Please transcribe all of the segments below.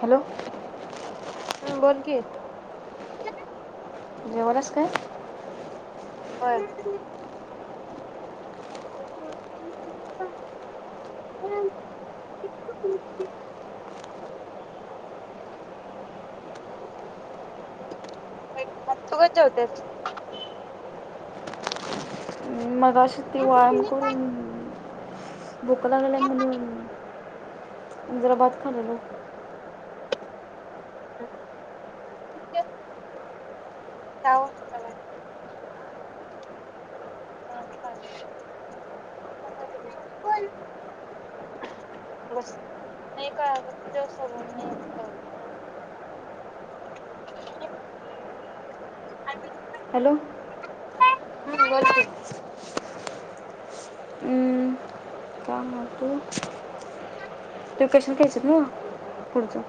Hello. येतय. जेवलास काय? व्हय. अ. होय जेवत्यात. मग. तशी ती व्यायाम करून, भूक लागलिया म्हनून आणि जरा भात खालेलो. हम् तितक्यात ताओ समोर हा चा बस नाही काव समोरण येताव. [unintelligible] हॅलो. ह्, बोलकी. हम्म, काय [unintelligible] लोकेशन घ्यायच ना पुढचं,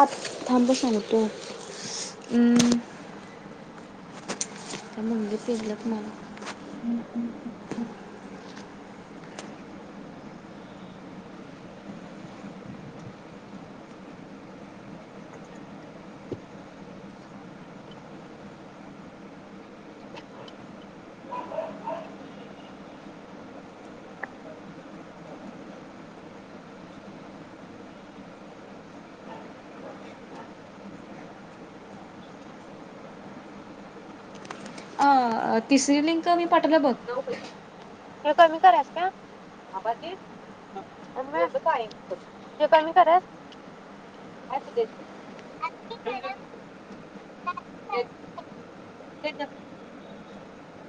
आ थांब सांग तो, हम्म हम्म. त्या मंगे पेलत नाही. हम्म हम्म हम् हम्म. [inaudible] आ, तिसरी लिंक मी. पाठवल्या बघ. हे कमी कररास काय [unintelligible]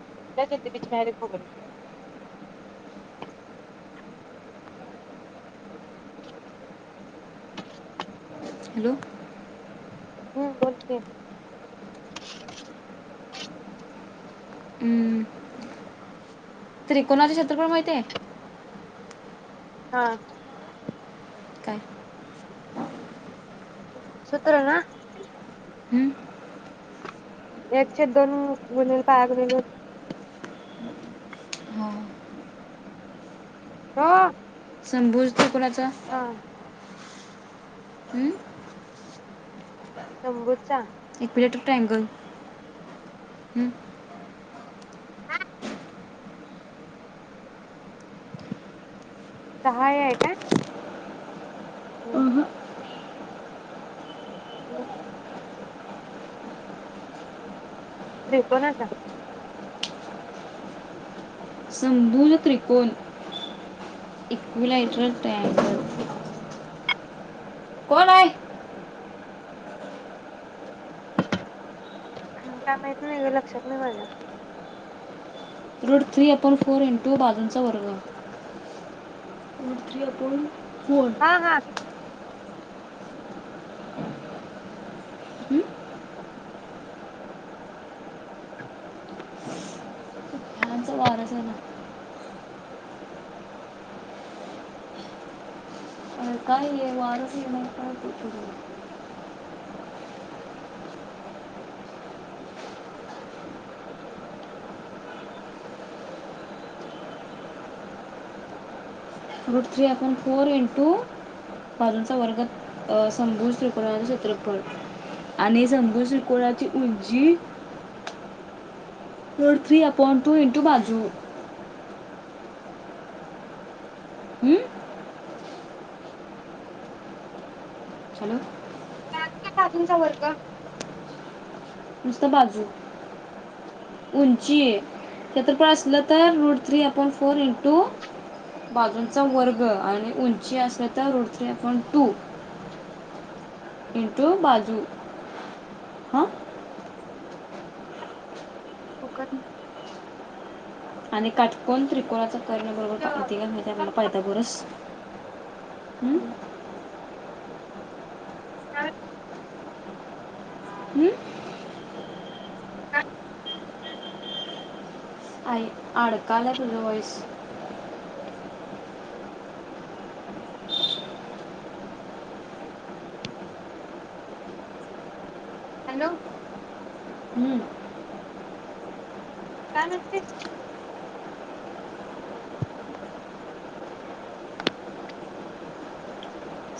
[unintelligible] हॅलो. हम् बोल की. त्रिकोणाचे क्षेत्रफळ माहित आहे. हा. काय. सूत्र ना. हम्म? एक छेद दोन गुणिले पाय गुणुले. आ. समभुज त्रिकोणाचे. [unintelligible] हम्म. शंभूरचा. बलेट ट्रयंगल, हम. सहाय आहे का. होम्. होम. त्रिकोणाचा. समभुज त्रिकोण इक्विलायटर तयार कोण आहे. हम का माहत नाही ग लक्षात नाही माझ्या. Root three upon four into बाजूचा वर्ग, रोड थ्री आप हा हा. हं? त्यां वारस झा अ काय येव [unintelligible] route three upon four into बाजूंचा वर्ग. अं समभूज त्रिकोळाचे क्षेत्रफळ आणि समभूज त्रिकोणाची उंची. Root three upon two into बाजू. हम्म? हॅलो का बाजूंचा वर्ग. नुसत बाजू, उंची, क्षेत्रफळ असलं तर root three upon four into बाजूंचा वर्ग आणि उंची असेलं तर root three upon two into बाजू, हा. कुकरनी. आणि काटकोण त्रिकोणाचा. कर्णबरोबर पाहता ते काय माहितीय म्हाला पायता गोरस. हम्म? [unintelligible] हं? आय, अडकालाय तुझं वॉईस. हॅलो. काम म्हटलीस?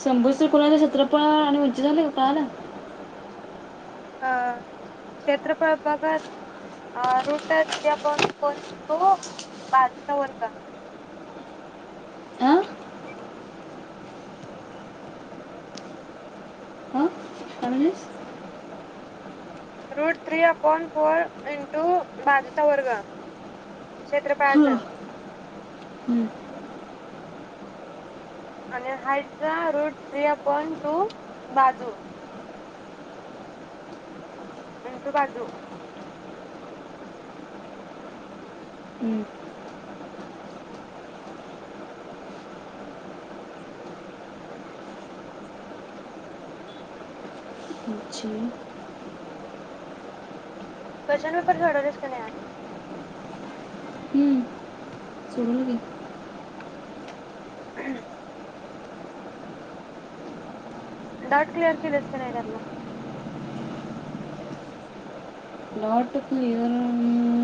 समभूज त्रिकोणाचे क्षेत्रफळ आणि उंची झाले काळाला? अ क्षेत्रफळ भागात अ root three upon four into बाजूचा वर्ग. हां हां काय म्हणलीस root three upon four into बाजूचा वर्ग क्षेत्रफळाचं हं, आणि हाईटचं रूट थ्रि अपॉन टू बाजू. इंटू बाजू. हं, उंची क्वेस्शन पेपर सोडवलीस काय नाइ आज? सोडवलोय की. हम्. डाउट क्लिअर किलीस काय नाही त्यातला? डाउट क्लीअर ममम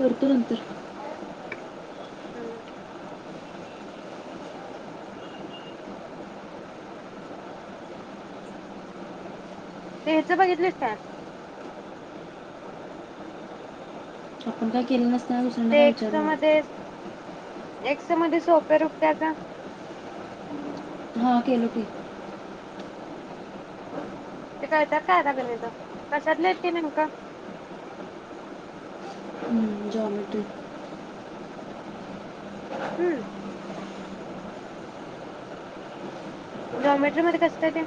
करतो नंतर हम्म. ते हेचं बघितलीस काय? [unintelligible] काय केलं नास ते एक्स मध्ये एक्स मध्ये सोप रुप त्याच हा केलो की. ते कळत्यात काय आता गणित कशातली हाइत ती नेमक? हम्म, जॉमेट्री. हम्म? जॉमेट्री मध्ये कसं काय ते?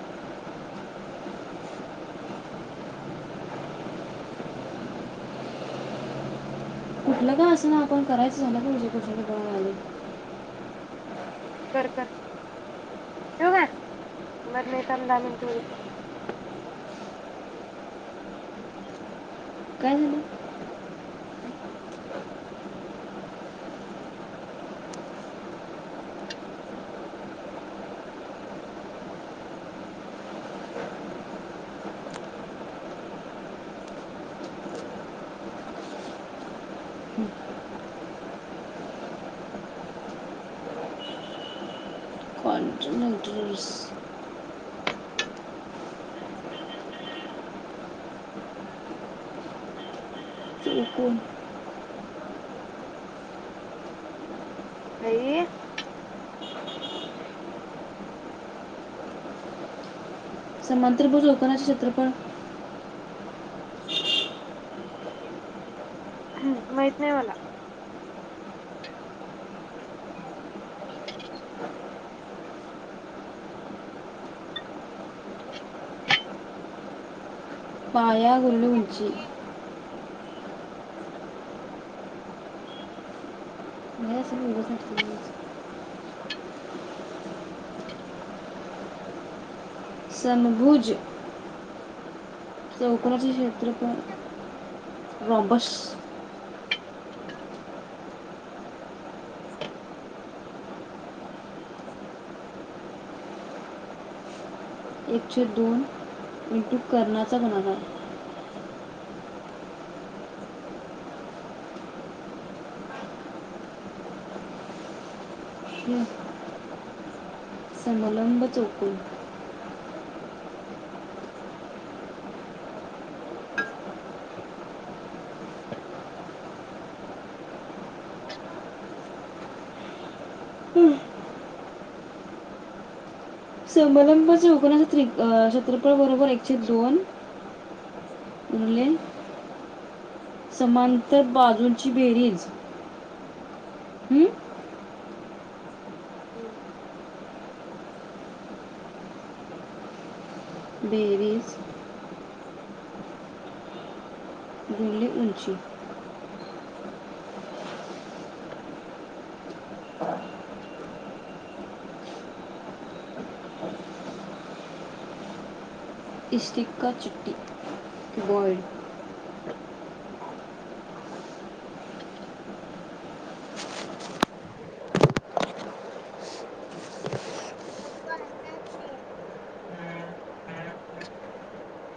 [unintelligible] कुठलं का असंना आपण करायचं झालं का म्हणजे [unintelligible] कर कर. ठेऊ काय? बर नाइ थाम दहा मिनट हुदेत. काय झालं? [unintelligible] [unintelligible] कॉन्टनेटर्स [unintelligible] चौकोन [unintelligible] आई! समांतरभूज चौकोनाचे क्षेत्रफळ हम्म, माहीत नाही मला. पाया गुणीले उंची. नाही असं मी उगाच नाटकं केलीच. समभुज चौकोणाचे क्षेत्रफळ. रॉबश एकशे दोन इंटू कर्णाचा गुणाकार. हम्म. समलंब चौकोण. हं, संमलंब चौकोणाच त्रि क्षेत्रपळ बरोबर र एक छेद दोन. गुणले समांतर बाजून ची बेरीज हं? हम्म. बेरीज गुणिले उंची च इष्टिकाचिटी बॉईड. [unintelligible]